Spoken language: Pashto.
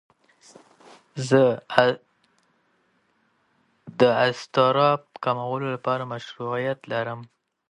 زه د اضطراب د کمولو لپاره مشغولیت لرم.